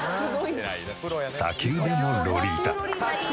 砂丘でもロリータ。